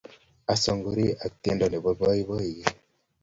asongorii ak tiendo Nepo poipoiyet